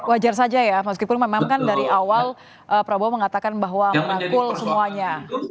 wajar saja ya meskipun memang kan dari awal prabowo mengatakan bahwa merangkul semuanya